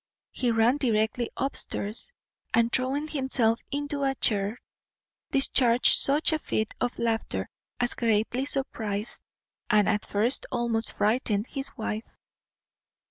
He ran directly up stairs, and, throwing himself into a chair, discharged such a fit of laughter as greatly surprized, and at first almost frightened, his wife.